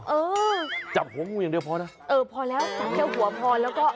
เออจับหัวหงูอย่างเดียวพอนะอั๊ะเที่ยวหัวพอแล้วก็